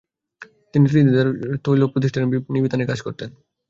তিনি Trinidad leaseholds তৈল প্রতিষ্ঠানের বিপণীবিতানে কাজ করতেন।